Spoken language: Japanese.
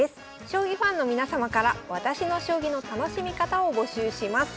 将棋ファンの皆様から「私の将棋の楽しみ方」を募集します。